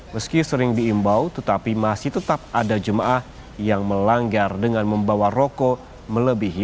meski sering diimbau tetapi masih tetap ada jemaah yang melanggar dengan membawa rokok melebihi